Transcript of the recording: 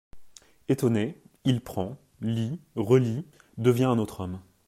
Étonné, il prend, lit, relit, devient un autre homme.